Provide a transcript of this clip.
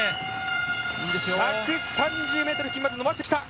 １３０ｍ付近まで伸ばしてきた。